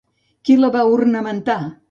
Qui la va ornamentar?